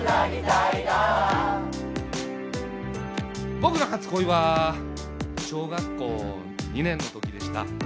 僕の初恋は、小学校２年のときでした。